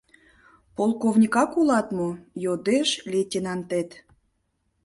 — «Полковникак улат мо?» — йодеш лейтенантет.